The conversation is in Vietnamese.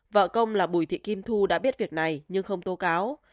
vợ công là bùi thị kim thu đã biết việc này nhưng không tố cáo